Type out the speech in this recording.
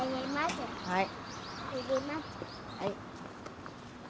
はい。